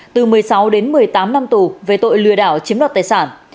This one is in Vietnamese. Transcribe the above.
từ một mươi sáu đến một mươi tám năm tù về tội lừa đảo chiếm đoạt tài sản